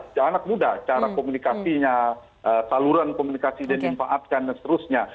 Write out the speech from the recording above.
iya anak muda cara komunikasinya saluran komunikasi dan impak atasnya dan seterusnya